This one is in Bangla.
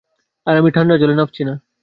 আর আমি ঠাণ্ডা জলে নাবচি না।